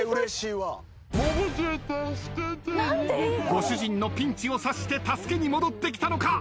ご主人のピンチを察して助けに戻ってきたのか？